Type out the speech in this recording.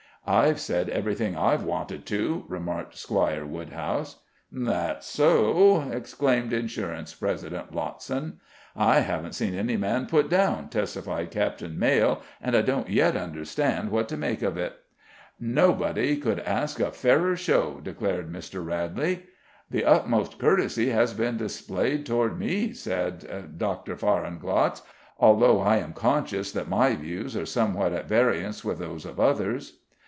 "I've said everything I've wanted to," remarked Squire Woodhouse. "That's so," exclaimed Insurance President Lottson. "I haven't seen any man put down," testified Captain Maile, "and I don't yet understand what to make of it." "Nobody could ask a fairer show," declared Mr. Radley. "The utmost courtesy has been displayed toward me," said Dr. Fahrenglotz, "although I am conscious my views are somewhat at variance with those of others."